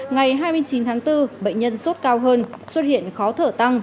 ngày hai mươi chín tháng bốn bệnh nhân sốt cao hơn xuất hiện khó thở tăng